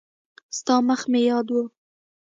ستا مخ مې یاد و.